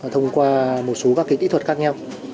thông qua một số các kỹ thuật khác nhau